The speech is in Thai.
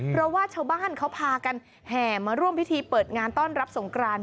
เพราะว่าชาวบ้านเขาพากันแห่มาร่วมพิธีเปิดงานต้อนรับสงกราน